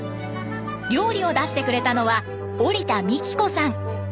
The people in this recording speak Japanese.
料理を出してくれたのは織田美貴子さん。